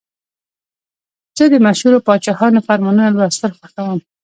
زه د مشهورو پاچاهانو فرمانونه لوستل خوښوم.